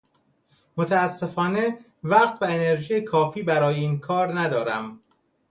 متأسفانه وقت و انرژی کافی برای این کار ندارم.